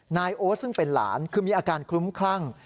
โอ๊ตซึ่งเป็นหลานคือมีอาการคลุ้มคลั่ง